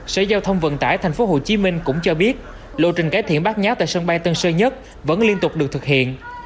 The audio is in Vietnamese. sở giao thông vận tải tp hcm cũng cho biết lộ trình cải thiện bác nhát tại sân bay tân sơn nhất vẫn liên tục được thực hiện